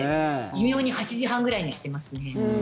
微妙に８時半ぐらいにしてますね。